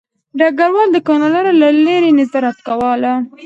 ډګروال د کان لاره له لیرې نظارت کوله